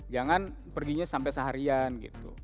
jangan perginya sampai seharian gitu